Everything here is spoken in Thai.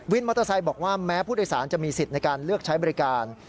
มอเตอร์ไซค์บอกว่าแม้ผู้โดยสารจะมีสิทธิ์ในการเลือกใช้บริการ